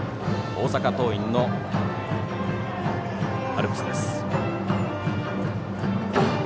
大阪桐蔭のアルプスです。